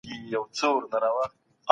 حکومت د خلګو په خير کار کوي.